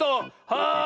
はい！